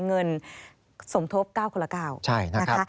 เงินสมทบ๙คนละ๙นะคะ